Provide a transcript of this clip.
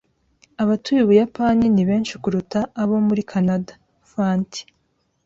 Abatuye Ubuyapani ni benshi kuruta abo muri Kanada. (fanty)